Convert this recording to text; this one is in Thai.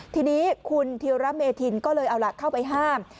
ทีนี้คุณธิระเมธินก็เลยเอาล่ะเข้าไปห้าม